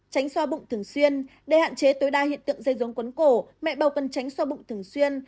tránh xoa bụng thường xuyên để hạn chế tối đa hiện tượng dây rốn cuốn cổ mẹ bầu cần tránh xoa bụng thường xuyên